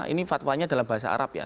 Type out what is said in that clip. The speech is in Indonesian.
ini fatwanya dalam bahasa arab ya